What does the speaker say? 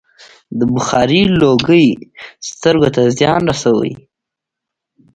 د بخارۍ لوګی سترګو ته زیان رسوي.